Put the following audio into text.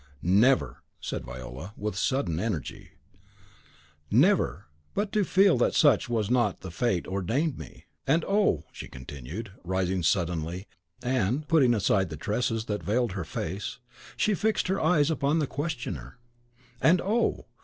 "Never!" said Viola, with sudden energy, "never but to feel that such was not the fate ordained me. And, oh!" she continued, rising suddenly, and, putting aside the tresses that veiled her face, she fixed her eyes upon the questioner, "and, oh!